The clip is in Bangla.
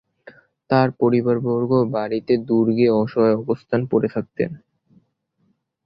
তাঁর পরিবারবর্গ বড়বতি দুর্গে অসহায় অবস্থায় পড়ে থাকেন।